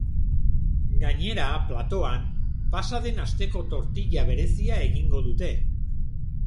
Gainera, platoan, pasa den asteko tortilla berezia egingo dute!